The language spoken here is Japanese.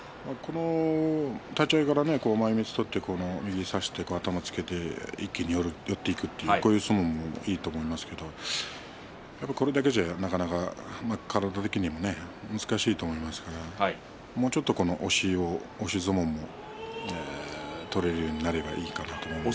立ち合いから前向きに取っていく、そしてまわしを取って一気に攻めていくという相撲もいいと思うんですがこれだけじゃ、なかなか体的にも難しいと思いますのでもうちょっと押し相撲も取れるようになるといいと思います。